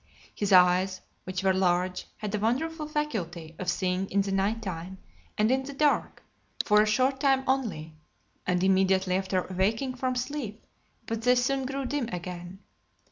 His eyes, which were large, had a wonderful faculty of seeing in the night time, and in the dark, for a short time only, and immediately after awaking from sleep; but they soon grew dim again.